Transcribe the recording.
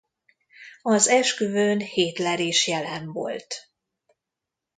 Az esküvőn Hitler is jelen volt.